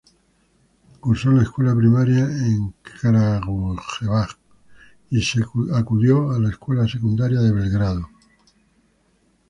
Cursó la escuela primaria en Kragujevac, y acudió a la escuela secundaria en Belgrado.